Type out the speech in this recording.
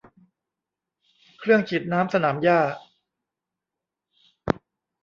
เครื่องฉีดน้ำสนามหญ้า